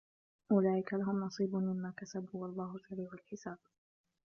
أُولَئِكَ لَهُمْ نَصِيبٌ مِمَّا كَسَبُوا وَاللَّهُ سَرِيعُ الْحِسَابِ